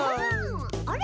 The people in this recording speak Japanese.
あれ？